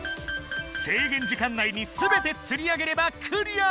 せいげん時間内にすべてつり上げればクリア！